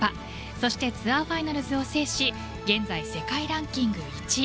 そしてツアーファイナルズを制し現在、世界ランキング１位。